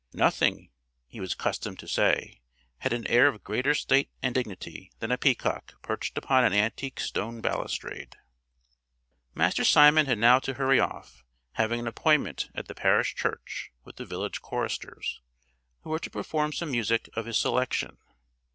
Nothing, he was accustomed to say, had an air of greater state and dignity than a peacock perched upon an antique stone balustrade. Master Simon had now to hurry off, having an appointment at the parish church with the village choristers, who were to perform some music of his selection.